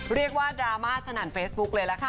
ดราม่าสนั่นเฟซบุ๊คเลยล่ะค่ะ